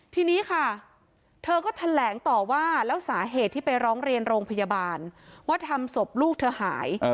ทีนี้ค่ะเธอก็แถลงต่อว่าแล้วสาเหตุที่ไปร้องเรียนโรงพยาบาลว่าทำศพลูกเธอหาย